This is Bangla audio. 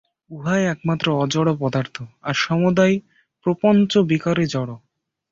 উহাই একমাত্র অজড় পদার্থ, আর সমুদয় প্রপঞ্চ-বিকারই জড়।